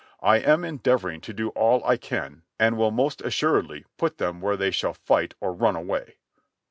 I am endeavoring to do all I can and will most assuredly put them where they shall fight or run away."